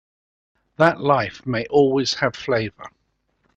That life may always have flavor.